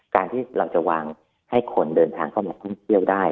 การที่เราจะวางให้คนเดินทางเข้ามาท่องเที่ยวได้